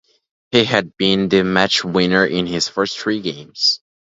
He had been the match-winner in his first three games.